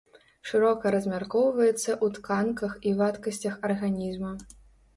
Шырока размяркоўваецца ў тканках і вадкасцях арганізма.